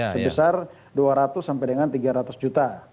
sebesar dua ratus sampai dengan tiga ratus juta